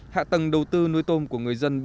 hạ tầng đầu tư nuôi tôm của người dân